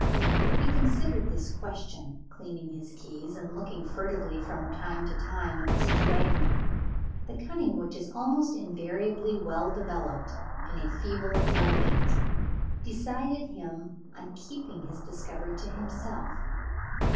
He considered this question, cleaning his keys, and looking furtively from time to time at Mrs. Wagner. The cunning which is almost invariably well developed in a feeble intelligence, decided him on keeping his discovery to himself.